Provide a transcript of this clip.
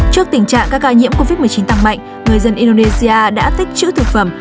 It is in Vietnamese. trước tình trạng các ca nhiễm covid một mươi chín tăng mạnh người dân indonesia đã tích chữ thực phẩm